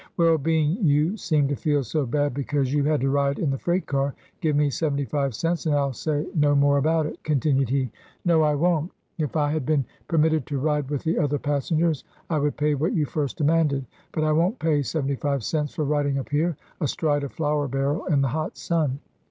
"Well, being you seem to feel so bad because you had to ride in the freight car, give me seventy five cents, and I '11 say no more about it," continued he. "No. I won't. If I AN AMERICAN BONDMAN. 59 had been permitted to ride with the other passengers, I would pay what you first demanded; but I won "t pay seventy five cents for riding up here, astride a flour barrel, in the hot sun."